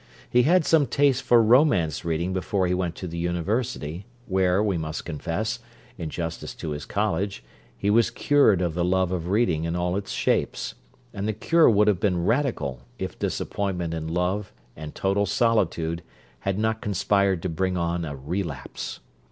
He had some taste for romance reading before he went to the university, where, we must confess, in justice to his college, he was cured of the love of reading in all its shapes; and the cure would have been radical, if disappointment in love, and total solitude, had not conspired to bring on a relapse.